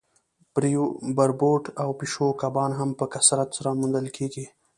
بربوټ او پیشو کبان هم په کثرت سره موندل کیږي